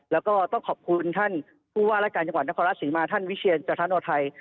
แล้วก็ต้องขอบคุณท่านผู้ว่ารายการจังหวัดนครราชศรีมาท่านวิเชียรจันโอทัย